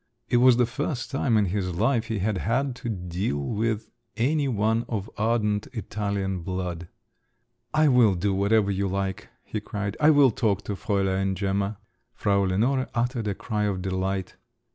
It was the first time in his life he had had to deal with any one of ardent Italian blood. "I will do whatever you like," he cried. "I will talk to Fräulein Gemma…." Frau Lenore uttered a cry of delight.